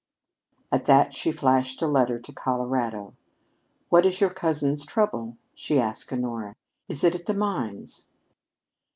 At that she flashed a letter to Colorado. "What is your cousin's trouble?" she asked Honora. "Is it at the mines?"